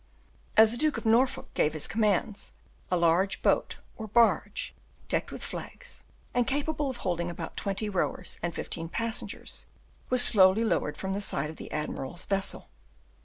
As the Duke of Norfolk gave his commands, a large boat or barge, decked with flags, and capable of holding about twenty rowers and fifteen passengers, was slowly lowered from the side of the admiral's vessel.